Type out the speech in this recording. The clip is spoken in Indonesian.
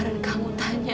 jawabannya adalah iya